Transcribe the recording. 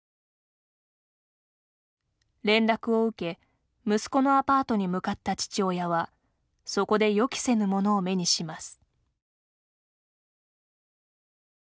連絡を受け、息子のアパートに向かった父親はそこで予期せぬものを目にします。